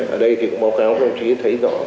ở đây thì có báo cáo trong chí thấy rõ cái mục tiêu đó